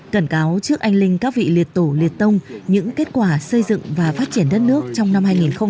cẩn cáo trước anh linh các vị liệt tổ liệt tông những kết quả xây dựng và phát triển đất nước trong năm hai nghìn một mươi tám